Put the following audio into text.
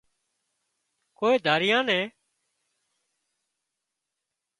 ڪوئي ڌريئا نين